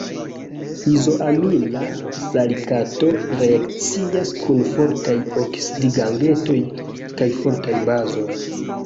Izoamila salikato reakcias kun fortaj oksidigagentoj kaj fortaj bazoj.